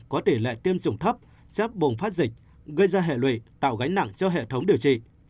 có tỷ lệ tiêm chủng thấp sẽ bùng phát dịch gây ra hệ lụy tạo gánh nặng cho hệ thống điều trị